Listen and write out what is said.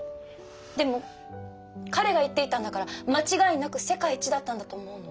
でも彼が言っていたんだから間違いなく世界一だったんだと思うの。